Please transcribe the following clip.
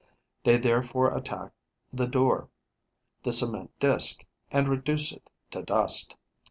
They therefore attack the door, the cement disk, and reduce it to dust.